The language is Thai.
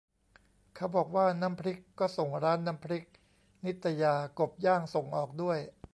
เขาบอกว่าน้ำพริก ก็ส่งร้านน้ำพริกนิตยา กบย่างส่งออกด้วย